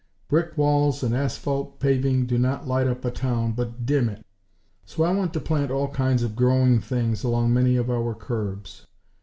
Brick walls and asphalt paving do not light up a town, but dim it. So I want to plant all kinds of growing things along many of our curbs.